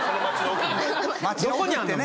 どこにあんねん。